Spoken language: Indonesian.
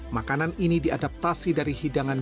makanan ini diadaptasi dari hidangan